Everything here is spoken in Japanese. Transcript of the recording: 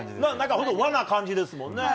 本当、和な感じですもんね。